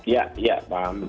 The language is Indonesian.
ya ya paham